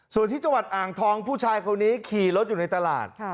ส่วนที่จังหวัดอ่างทองผู้ชายคนนี้ขี่รถอยู่ในตลาด